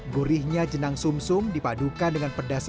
gurihnya jenang sum sum dipadukan dengan pedasnya